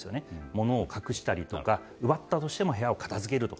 物を隠したりとか奪ったとしても部屋を片付けると。